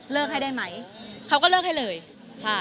ให้ได้ไหมเขาก็เลิกให้เลยใช่